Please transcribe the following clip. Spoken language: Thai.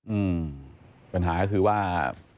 อืมปัญหาก็คือว่า